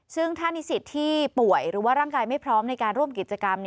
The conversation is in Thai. ซึ่งถ้านิสิตที่ป่วยหรือว่าร่างกายไม่พร้อมในการร่วมกิจกรรม